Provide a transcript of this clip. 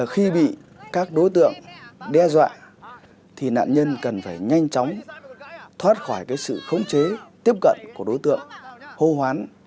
khi bị các đối tượng đe dọa thì nạn nhân cần phải nhanh chóng thoát khỏi sự khống chế tiếp cận của đối tượng hô hoán